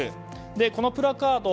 このプラカード